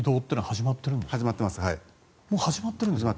始まってます。